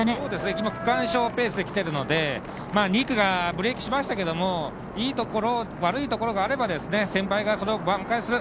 今、区間賞ペースで来ているので２区がブレーキしましたけどもいいところ、悪いところがあれば先輩が挽回する。